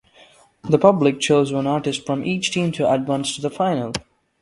The public chose one artist from each team to advance to the final.